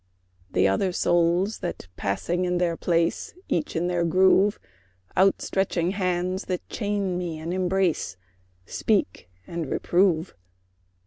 The other souls that, passing in their place, Each in their groove; Out stretching hands that chain me and embrace, Speak and reprove.